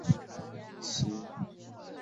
其后辈中亦名人辈出。